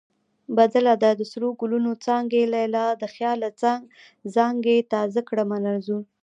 بدله ده: د سرو ګلونو څانګې لیلا د خیاله زانګې تا زه کړمه رنځور